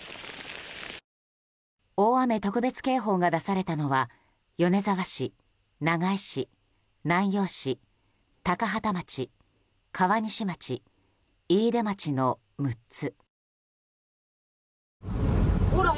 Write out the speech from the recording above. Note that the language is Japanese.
大雨特別警報が出されたのは米沢市、長井市、南陽市高畠町、川西町、飯豊町の６つ。